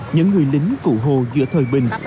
những người lính cụ hồ giữa thời bình